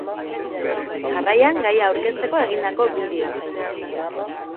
Jarraian gaia aurkezteko egindako bideoa.